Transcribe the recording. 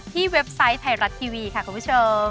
เว็บไซต์ไทยรัฐทีวีค่ะคุณผู้ชม